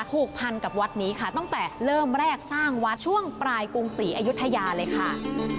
ผูกพันกับวัดนี้ค่ะตั้งแต่เริ่มแรกสร้างวัดช่วงปลายกรุงศรีอายุทยาเลยค่ะ